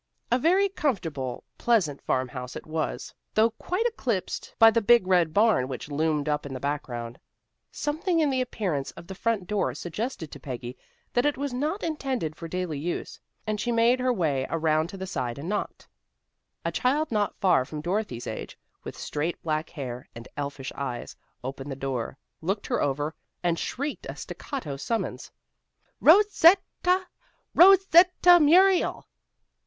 A very comfortable, pleasant farmhouse it was, though quite eclipsed by the big red barn which loomed up in the background. Something in the appearance of the front door suggested to Peggy that it was not intended for daily use, and she made her way around to the side and knocked. A child not far from Dorothy's age, with straight black hair, and elfish eyes, opened the door, looked her over, and shrieked a staccato summons. "Ro set ta! Ro set ta Muriel!"